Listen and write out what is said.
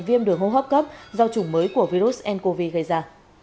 viêm đường hô hấp cấp do chủng mới của virus ncov gây ra